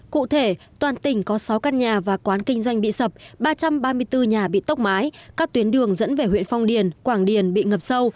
cụ thể toàn tỉnh có sáu căn nhà và quán kinh doanh bị sập ba trăm ba mươi bốn nhà bị tốc mái các tuyến đường dẫn về huyện phong điền quảng điền bị ngập sâu